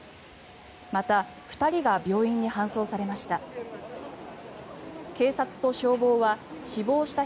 また２人が病院に搬送されました。